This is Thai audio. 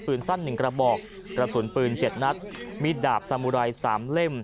ปืนสั้นหนึ่งกระบอกกระสุนปืนเจ็ดนัดมีดาบสามูไรสามเล่ม